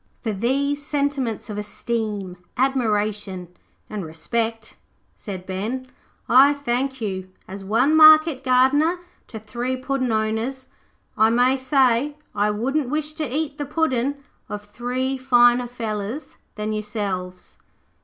'For these sentiments of esteem, admiration, and respect,' said Ben, 'I thank you. As one market gardener to three Puddin' owners, I may say I wouldn't wish to eat the Puddin' of three finer fellers than yourselves.'